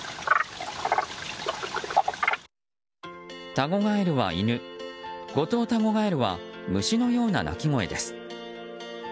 タゴガエルは犬ゴトウタゴガエルは虫のような鳴き声です。